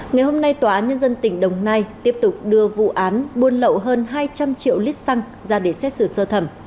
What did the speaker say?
ngày hôm nay tòa án nhân dân tỉnh đồng nai tiếp tục đưa vụ án buôn lậu hơn hai trăm linh triệu lít xăng ra để xét xử sơ thẩm